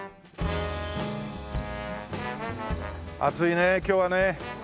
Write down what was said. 暑いねえ今日はね。